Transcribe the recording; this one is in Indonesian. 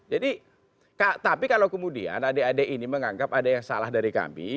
jadi tapi kalau kemudian adik adik ini menganggap adik yang salah dari kami